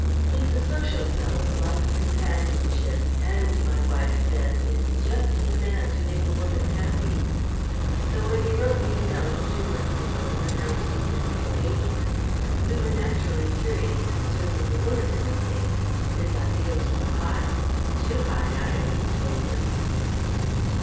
He's a social fellow, likes companionship, and, my wife says, is just the man to make a woman happy; so when he wrote me a note, two months ago, announcing his engagement, we were naturally curious concerning the woman in the case for his ideals were high too high, I always told him."